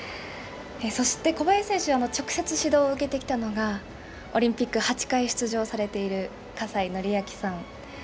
そして小林選手、直接指導を受けてきたのがオリンピック８回出場されている葛西紀明さん。